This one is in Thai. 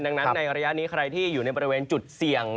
ดังนั้นในระยะนี้ใครที่อยู่ในบริเวณจุดเสี่ยง